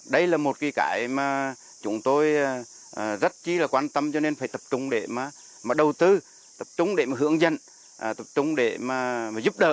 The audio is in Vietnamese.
đây là một cái cái mà chúng tôi rất quan tâm cho nên phải tập trung để đầu tư tập trung để hướng dẫn tập trung để giúp đỡ